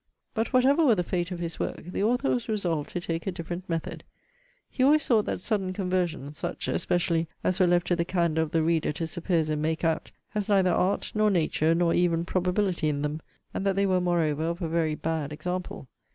But whatever were the fate of his work, the author was resolved to take a different method. He always thought that sudden conversions, such, especially, as were left to the candour of the reader to suppose and make out, has neither art, nor nature, nor even probability, in them; and that they were moreover of a very bad example.